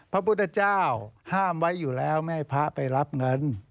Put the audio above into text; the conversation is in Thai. พระพุทธเจ้าห้ามไว้อยู่แล้วไม่ให้พระไปรับเงิน